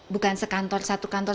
bukan sekantor satu kantor